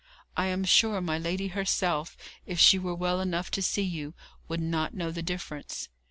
I am sure my lady herself, if she were well enough to see you, would not know the difference!'